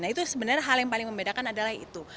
nah itu sebenarnya hal yang paling membedakan adalah itu